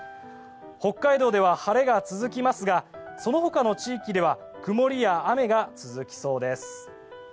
北海道では晴れが続きますがその他の地域では曇りや雨が続きそうです。